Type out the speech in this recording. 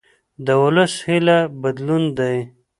د ولس هیله بدلون دی